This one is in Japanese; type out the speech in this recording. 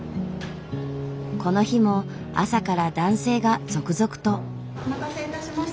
この日も朝から男性が続々と。